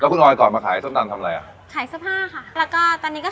แล้วคุณออยกอดมาขายส้มตำทำอะไรอะ